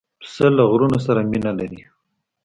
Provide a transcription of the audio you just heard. پسه له غرونو سره مینه لري.